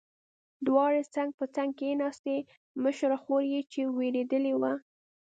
دواړې څنګ په څنګ کېناستې، مشره خور یې چې وېرېدلې وه.